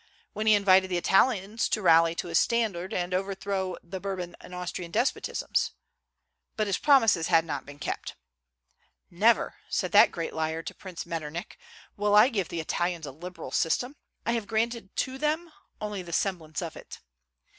when he invited the Italians to rally to his standard and overthrow the Bourbon and Austrian despotisms; but his promises had not been kept. "Never," said that great liar to Prince Metternich, "will I give the Italians a liberal system: I have granted to them only the semblance of it."